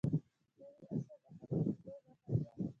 نوي عصر مخامخ کېدو مخه و.